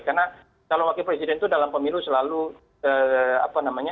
karena calon wakil presiden itu dalam pemilu selalu apa namanya